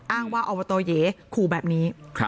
อ้างว่าอบตเย๋ขู่แบบนี้